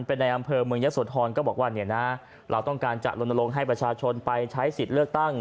เป็นในอำเภอเมืองยะโสธรก็บอกว่าเนี่ยนะเราต้องการจะลนลงให้ประชาชนไปใช้สิทธิ์เลือกตั้ง